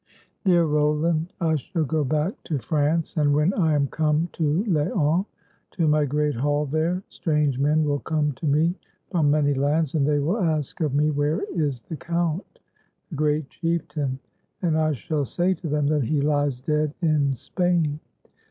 "Dear Roland, I shall go back to France, and when I am come to Laon, to my great hall there, strange men will come to me from many lands, and they will ask of me where is the Count, the great chieftain, and I shall say to them that he lies dead in Spain.